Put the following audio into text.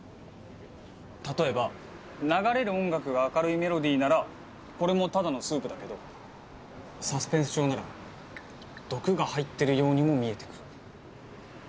例えば流れる音楽が明るいメロディーならこれもただのスープだけどサスペンス調なら毒が入ってるようにも見えてくる。